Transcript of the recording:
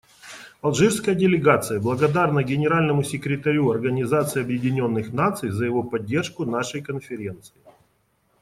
Алжирская делегация благодарна Генеральному секретарю Организации Объединенных Наций за его поддержку нашей Конференции.